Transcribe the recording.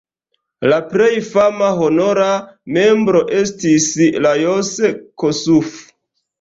La plej fama honora membro estis Lajos Kossuth.